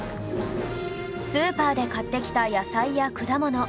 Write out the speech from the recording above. スーパーで買ってきた野菜や果物